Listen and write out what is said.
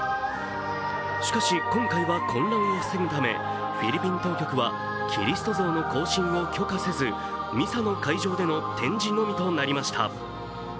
しかし今回は混乱を防ぐためフィリピン当局はキリスト像の行進を許可せずミサの会場での展示のみとなりました。